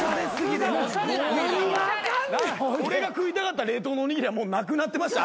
俺が食いたかった冷凍のおにぎりはもうなくなってました。